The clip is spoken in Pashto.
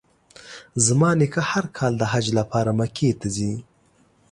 زما نیکه هر کال د حج لپاره مکې ته ځي.